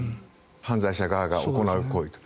犯罪者側が行う行為が。